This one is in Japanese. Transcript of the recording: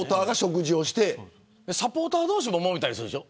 サポーター同士ももめたりするでしょ。